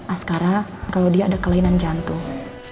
askara kalau dia ada kelainan jantung